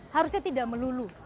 harusnya tidak melulu